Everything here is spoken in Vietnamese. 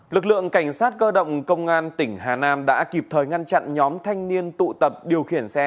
lực lượng cảnh sát cơ động công an tỉnh hà nam đã kịp thời ngăn chặn nhóm thanh niên tụ tập điều khiển xe